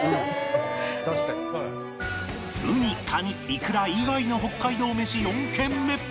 ウニ・カニ・いくら以外の北海道メシ４軒目